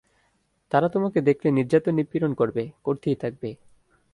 তারা তোমাকে দেখলে নির্যাতন-নিপীড়ন করবে, করতেই থাকবে।